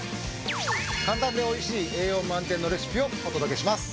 簡単で美味しい栄養満点のレシピをお届けします。